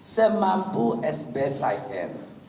semampu es besaikan